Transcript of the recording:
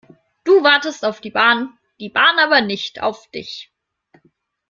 Du wartest auf die Bahn, die Bahn aber nicht auf dich.